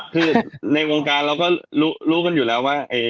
คือในวงการเราก็รู้กันอยู่แล้วว่า